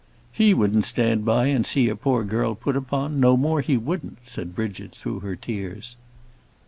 "He wouldn't stand by and see a poor girl put upon; no more he wouldn't," said Bridget, through her tears.